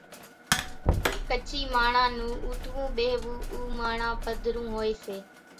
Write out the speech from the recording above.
ڪڇِي ماڻۿان نون اوٺوون ٻيۿوون ۿو ماڻۿان پڌرون هوئيَ سي۔